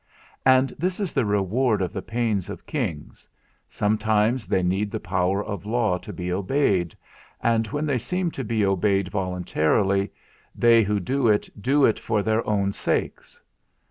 And this is the reward of the pains of kings; sometimes they need the power of law to be obeyed; and when they seem to be obeyed voluntarily, they who do it do it for their own sakes.